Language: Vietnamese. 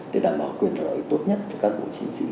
để đảm bảo quyền lợi tốt nhất cho cán bộ chiến sĩ